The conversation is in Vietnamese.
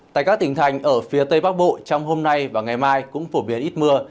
tại các tỉnh thành ở phía tây bắc bộ trong hôm nay và ngày mai cũng phổ biến ít mưa